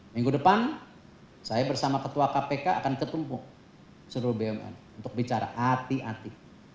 minggu depan saya bersama ketua kpk akan ketumpuk seluruh bumn untuk bicara hati hati